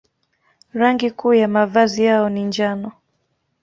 Rangi kuu ya mavazi yao ni njano.